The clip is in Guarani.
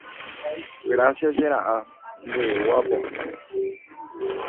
Gracias, che ra’a. Nde guápo.